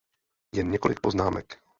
Jen několik poznámek.